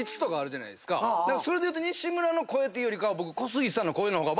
それでいうと西村の声というよりかは僕。